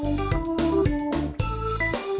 ยังไงไม่ได้ติดป้าย